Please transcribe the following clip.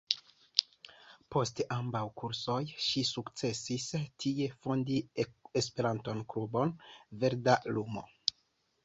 Post ambaŭ kursoj ŝi sukcesis tie fondi E-klubon "Verda lumo".